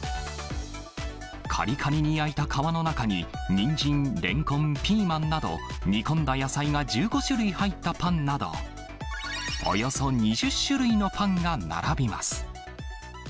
かりかりに焼いた皮の中に、にんじん、れんこん、ピーマンなど煮込んだ野菜が１５種類入ったパンなど、およそ２０種類のパンが並びます。